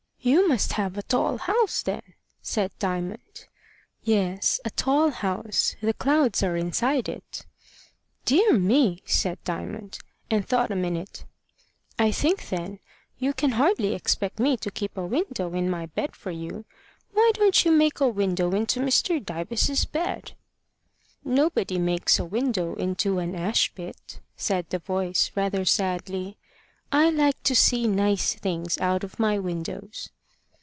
"You must have a tall house, then," said Diamond. "Yes; a tall house: the clouds are inside it." "Dear me!" said Diamond, and thought a minute. "I think, then, you can hardly expect me to keep a window in my bed for you. Why don't you make a window into Mr. Dyves's bed?" "Nobody makes a window into an ash pit," said the voice, rather sadly. "I like to see nice things out of my windows."